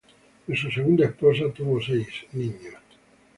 De su segunda esposa tuvo seis niños.